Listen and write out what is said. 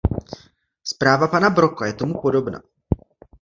Zpráva pana Broka je tomu podobná.